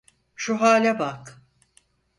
Şu hale bak!